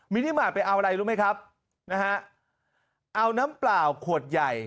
นิมาตรไปเอาอะไรรู้ไหมครับนะฮะเอาน้ำเปล่าขวดใหญ่